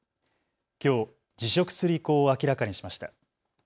きょう辞職する意向を明らかにしました。